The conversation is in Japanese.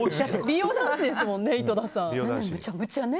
美容男子ですもんね井戸田さん。